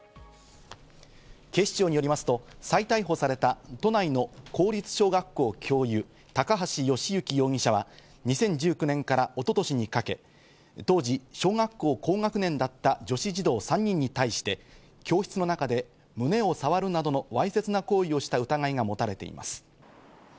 警視庁によりますと再逮捕された都内の公立小学校教諭、高橋慶行容疑者は２０１９年から一昨年にかけ、当時、小学校高学年だった女子児童３人に対して教室の中で胸を触るなどのわいせつな行為をした疑いがもたれています。